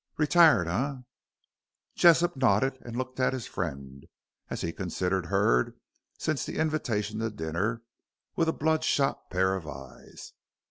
"Retired, eh?" Jessop nodded and looked at his friend as he considered Hurd, since the invitation to dinner with a blood shot pair of eyes.